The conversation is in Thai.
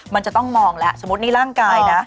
มันจะต้องมองแล้วสมมุตินี่ร่างกายนะ